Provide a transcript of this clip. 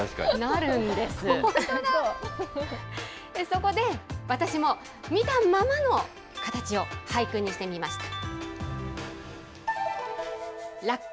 そこで私も見たままの形を俳句にしてみました。